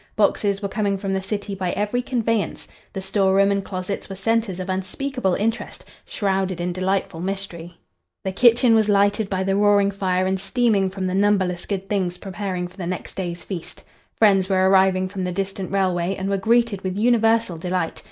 Boxes were coming from the city by every conveyance. The store room and closets were centres of unspeakable interest, shrouded in delightful mystery. The kitchen was lighted by the roaring fire and steaming from the numberless good things preparing for the next day's feast. Friends were arriving from the distant railway and were greeted with universal delight.